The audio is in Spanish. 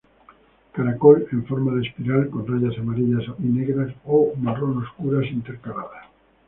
Caracol en forma de espiral con rayas amarillas y negras o marrón oscuras intercaladas.